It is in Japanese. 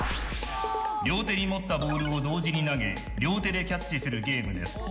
両手に持ったボールを同時に投げ両手でキャッチするゲームです。